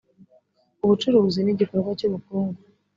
ubucuruzi nigikorwa cyubukungu.